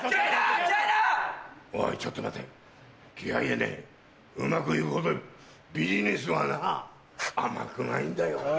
おいちょっと待て気合でねうまく行くほどビジネスはなぁ甘くないんだよ。